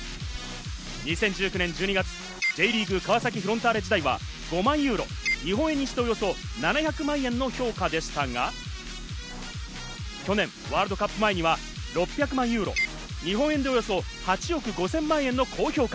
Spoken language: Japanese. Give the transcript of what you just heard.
２０１９年１２月、Ｊリーグ・川崎フロンターレ時代は５万ユーロ、日本円にして、およそ７００万円の評価でしたが、去年ワールドカップ前には６００万ユーロ、日本円でおよそ８億５０００万円の高評価。